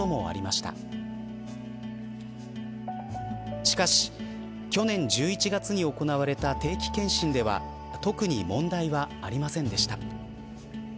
しかし、去年１１月に行われた定期健診では特に問題はありませんでした。